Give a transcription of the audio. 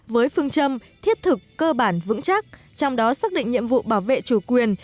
với phương châm thiết thực cơ bản vững chắc trong đó xác định nhiệm vụ bảo vệ chủ quyền